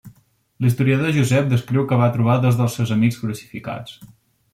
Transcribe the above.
L'historiador Josep descriu que va trobar dos dels seus amics crucificats.